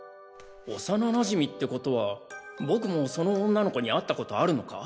幼なじみってことは僕もその女の子に会ったことあるのか？